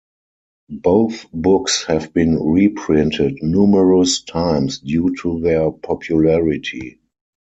Both books have been reprinted numerous times due to their popularity.